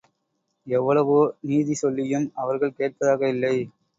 எவ்வளவோ நீதி சொல்லியும் அவர்கள் கேட்பதாக இல்லை.